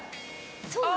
そう。